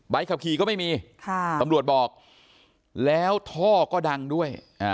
ขับขี่ก็ไม่มีตำรวจบอกแล้วท่อก็ดังด้วย